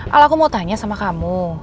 kalau aku mau tanya sama kamu